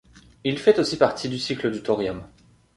Il fait aussi partie du cycle du thorium.